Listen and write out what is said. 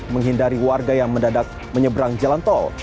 menghindari warga yang mendadak menyeberang jalan tol